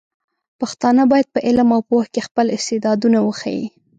پښتانه بايد په علم او پوهه کې خپل استعدادونه وښيي.